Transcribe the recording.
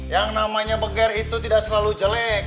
yang namanya beger itu tidak selalu jelek